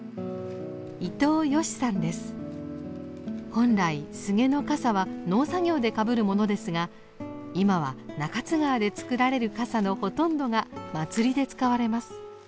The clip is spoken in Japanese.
本来スゲの笠は農作業でかぶるものですが今は中津川で作られる笠のほとんどが祭りで使われます。